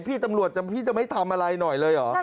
พี่ตำรวจพี่จะไม่ทำอะไรหน่อยเลยเหรอ